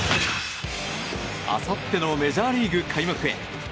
あさってのメジャーリーグ開幕へ。